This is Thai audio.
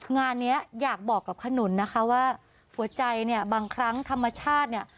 งานนี้อยากบอกกับขนุนนะคะว่าหัวใจบางครั้งธรรมชาติ